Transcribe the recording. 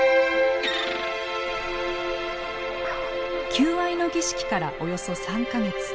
求愛の儀式からおよそ３か月。